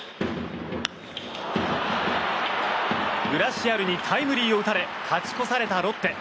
グラシアルにタイムリーを打たれ勝ち越されたロッテ。